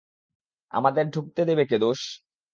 আমাদের ঢুকতে দেবে কে দোস?